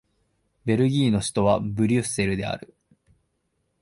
ベルギーの首都はブリュッセルである